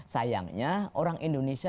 sayangnya orang indonesia